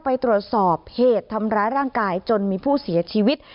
ไปตรวจสอบเหตุทำร้ายร่างกายจนมีผู้เสียชีวิต